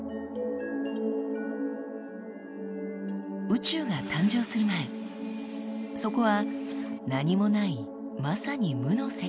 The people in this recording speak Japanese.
宇宙が誕生する前そこは何もないまさに無の世界でした。